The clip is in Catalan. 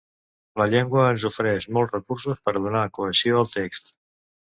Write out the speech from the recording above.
La llengua ens ofereix molts recursos per a donar cohesió al text.